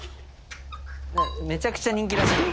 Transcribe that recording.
めちゃくちゃ人気らしい。